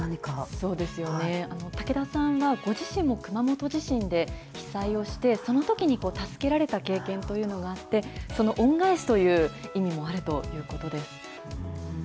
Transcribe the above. そうですよね、竹田さんはご自身も熊本地震で被災をして、そのときに助けられた経験というのがあって、その恩返しという意味もあるということです。